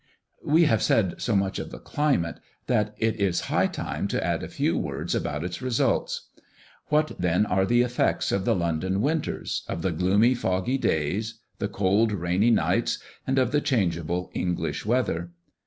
We have said so much of the climate, that it is high time to add a few words about its results. What then are the effects of the London winters, of the gloomy foggy days, the cold rainy nights, and of the changeable English weather?